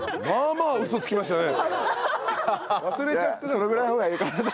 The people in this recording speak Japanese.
そのぐらいの方がいいかなと。